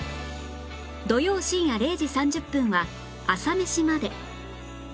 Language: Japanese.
土曜深夜０時３０分は『朝メシまで。』